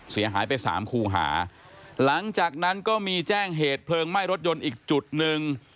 เสียหายไปสามคู่หาหลังจากนั้นก็มีแจ้งเหตุเพลิงไหม้รถยนต์อีกจุดหนึ่ง